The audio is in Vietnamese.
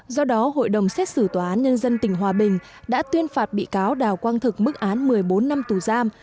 do đó hội đồng xét xử tòa án nhân dân tỉnh hòa bình đã tuyên phạt bị cáo đào quang thực mức án một mươi bốn năm tù giam